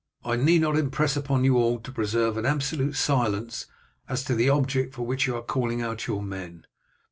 I need not impress upon you all to preserve an absolute silence as to the object for which you are calling out your men.